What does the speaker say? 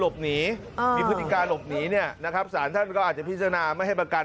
มีพฤติการหลบหนีสารท่านก็อาจผิดชนะไม่ให้ประกัน